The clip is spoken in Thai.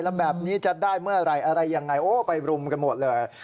แล้วแบบนี้จะได้เมื่ออะไรอะไรอย่างไรไปรุมกันหมดเลย